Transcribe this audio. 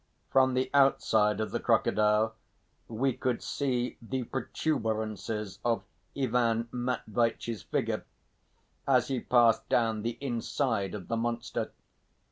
From the outside of the crocodile we could see the protuberances of Ivan Matveitch's figure as he passed down the inside of the monster.